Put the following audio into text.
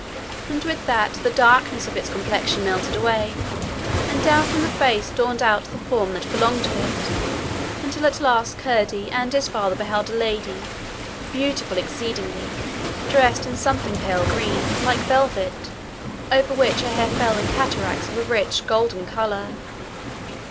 And with that the darkness of its complexion melted away, and down from the face dawned out the form that belonged to it, until at last Curdie and his father beheld a lady, beautiful exceedingly, dressed in something pale green, like velvet, over which her hair fell in cataracts of a rich golden colour.